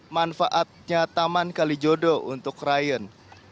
manfaatnya taman kali jodo untuk ryan